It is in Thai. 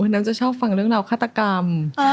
นางจะชอบฟังเรื่องราวฆาตกรรม